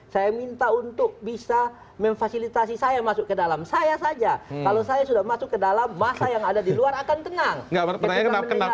saya minta untuk bisa memfasilitasi saya masuk ke dalam saya saja kalau saya sudah masuk ke dalam masa yang ada di luar akan tenang ketika mendengar